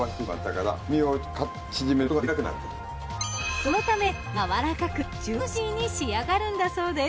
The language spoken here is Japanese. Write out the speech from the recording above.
そのため柔らかくジューシーに仕上がるんだそうです。